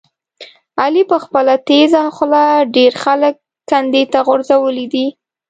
علي په خپله تېزه خوله ډېر خلک کندې ته غورځولي دي.